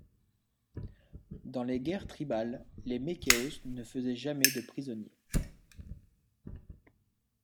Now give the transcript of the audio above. Dans les guerres tribales, les Mékéos ne faisaient jamais de prisonnier.